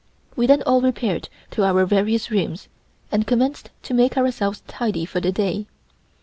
We then all repaired to our various rooms and commenced to make ourselves tidy for the day.